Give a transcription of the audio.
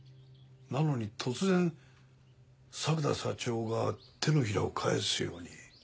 なのに突然作田社長が手のひらを返すように。